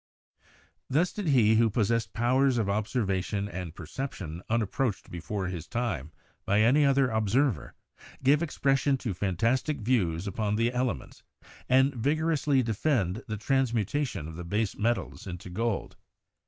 Thus did he who possessed powers of observation and perception unapproached be fore his time by any other observer, give expression to fantastic views upon the elements and vigorously defend the transmutation of the base metals into gold.